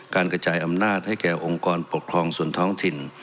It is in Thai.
กระจายอำนาจให้แก่องค์กรปกครองส่วนท้องถิ่น